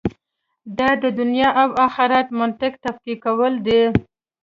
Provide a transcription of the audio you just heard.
دا د دنیا او آخرت منطق تفکیکول دي.